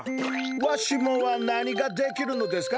わしもは何ができるのですか？